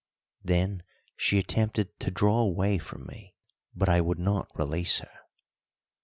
Then she attempted to draw away from me, but I would not release her.